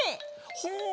ほう！